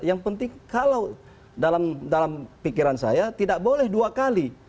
yang penting kalau dalam pikiran saya tidak boleh dua kali